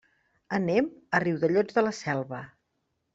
Anem a Riudellots de la Selva.